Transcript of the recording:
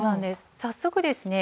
早速ですね